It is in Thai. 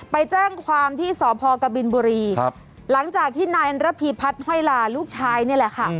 ไปแจ้งความที่สพกบินบุรีครับหลังจากที่นายระพีพัฒน์ห้อยลาลูกชายนี่แหละค่ะ